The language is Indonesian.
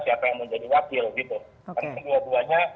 siapa yang menjadi wakil gitu tapi dua duanya